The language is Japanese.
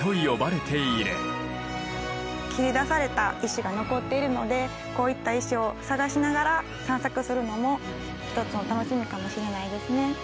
切り出された石が残っているのでこういった石を探しながら散策するのも一つの楽しみかもしれないですね。